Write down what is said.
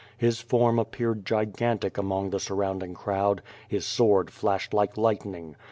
Tlis form appeared gigantic among the surrounding crowd; his sword flashed like light ning.